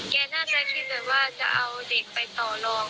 น่าจะคิดแบบว่าจะเอาเด็กไปต่อลอง